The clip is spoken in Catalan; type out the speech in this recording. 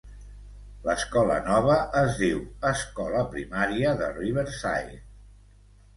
L'escola nova es diu Escola Primària de Riverside.